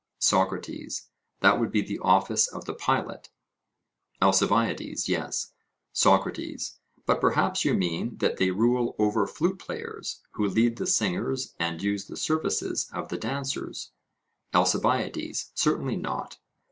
SOCRATES: That would be the office of the pilot? ALCIBIADES: Yes. SOCRATES: But, perhaps you mean that they rule over flute players, who lead the singers and use the services of the dancers? ALCIBIADES: Certainly not.